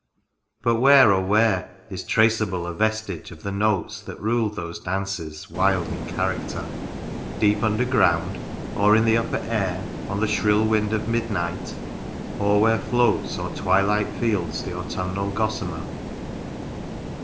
— But, where, oh where Is traceable a vestige of the notes That ruled those dances, wild in character ?— Deep underground? — Or in the upper air, On the shrill wind of midnight ? or where floats O'er twilight fields the autumnal gossamer